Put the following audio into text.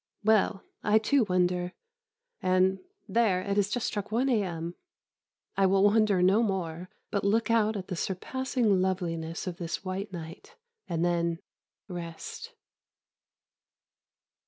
Well, I too wonder, and there, it has just struck 1 A.M. I will wonder no more, but look out at the surpassing loveliness of this white night, and then rest.